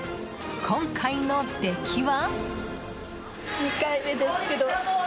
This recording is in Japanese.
今回の出来は。